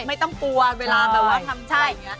ไม่ต้องปลัวเวลาแบบว่าทำแบบนี้